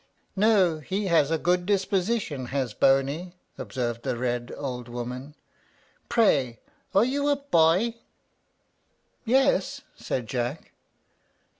"No; he has a good disposition, has Boney," observed the red old woman. "Pray, are you a boy?" "Yes," said Jack.